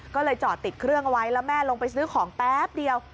ก็เลยจอดติดเครื่องเอาไว้แล้วแม่ลงไปซื้อของแป๊บเดียว